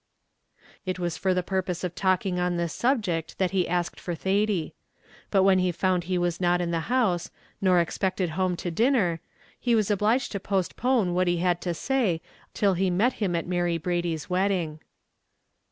It was for the purpose of talking on this subject that he asked for Thady; but when he found he was not in the house, nor expected home to dinner, he was obliged to postpone what he had to say till he met him at Mary Brady's wedding.